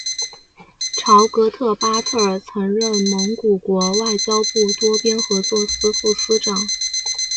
朝格特巴特尔曾任蒙古国外交部多边合作司副司长。